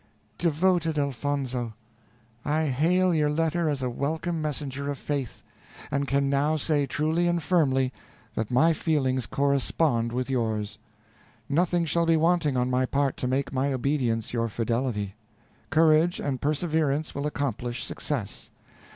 Devoted Elfonzo I hail your letter as a welcome messenger of faith, and can now say truly and firmly that my feelings correspond with yours. Nothing shall be wanting on my part to make my obedience your fidelity. Courage and perseverance will accomplish success.